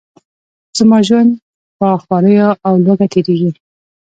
زما ژوند په خواریو او لوږه تیریږي.